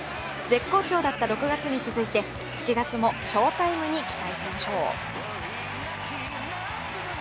絶好調だった６月に続いて、７月も翔タイムに期待しましょう。